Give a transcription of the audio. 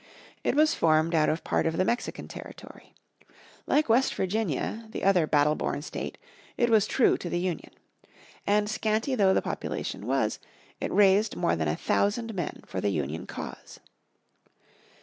It was formed out of part of the Mexican territory. Like West Virginia, the other battle born state, it was true to the Union. And scanty though the population was, it raised more than a thousand men for the Union cause.